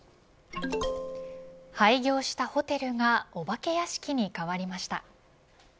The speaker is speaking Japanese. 廃業したホテルがお化け屋敷に変わりました。